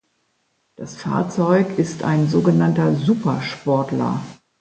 Das Fahrzeug ist ein so genannter Supersportler.